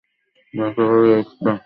মেয়েটাকে, লেস্ট্যাট!